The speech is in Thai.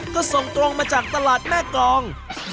ก็ส่งตรงมาจากตลาดแม่กรอง